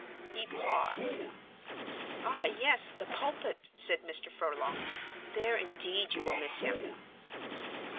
He paused. "Ah yes, the pulpit," said Mr. Furlong, "there indeed you will miss him."